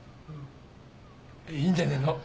いいんじゃねえの？